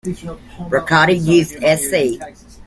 Riccati used Sc.